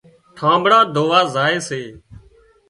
ٺانٻڙان ڌووا زائي سي